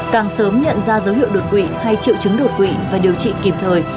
càng sớm nhận ra dấu hiệu đột quỵ hay triệu chứng đột quỵ và điều trị kịp thời